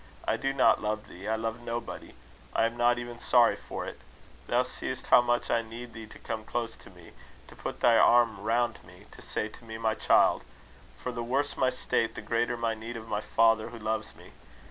I do not love thee. I love nobody. I am not even sorry for it. Thou seest how much I need thee to come close to me, to put thy arm round me, to say to me, my child; for the worse my state, the greater my need of my father who loves me.